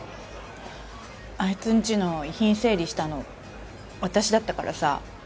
あいつんちの遺品整理したの私だったからさ。